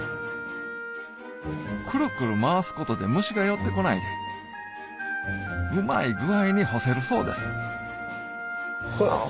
クルクル回すことで虫が寄ってこないでうまい具合に干せるそうです